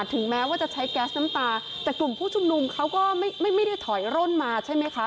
ถึงแม้ว่าจะใช้แก๊สน้ำตาแต่กลุ่มผู้ชุมนุมเขาก็ไม่ไม่ได้ถอยร่นมาใช่ไหมคะ